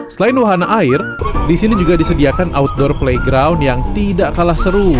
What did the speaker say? selain wahana air di sini juga disediakan outdoor playground yang tidak kalah seru